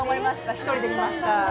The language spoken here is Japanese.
１人で見ました。